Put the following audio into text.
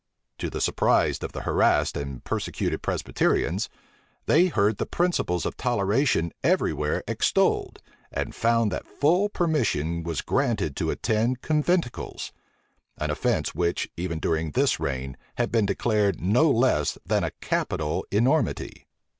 To the surprise of the harassed and persecuted Presbyterians, they heard the principles of toleration every where extolled, and found that full permission was granted to attend conventicles; an offence which, even during this reign, had been declared no less than a capital enormity.